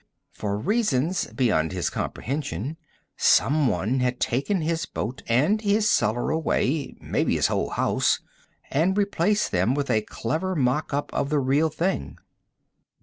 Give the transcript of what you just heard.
For reasons beyond his comprehension, someone had taken his boat and his cellar away, maybe his whole house, and replaced them with a clever mock up of the real thing.